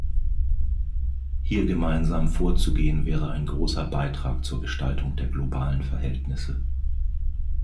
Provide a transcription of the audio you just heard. Hier gemeinsam vorzugehen, wäre ein großer Beitrag zur Gestaltung der globalen Verhältnisse.